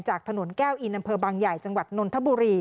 จากถนนแก้วอีนดบังใหญ่จังหวัดนทบุรี